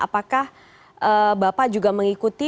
apakah bapak juga mengikuti